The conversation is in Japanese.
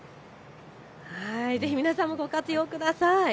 ぜひ皆さんもご活用ください。